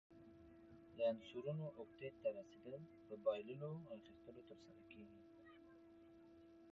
د عنصرونو اوکتیت ته رسیدل په بایللو، اخیستلو ترسره کیږي.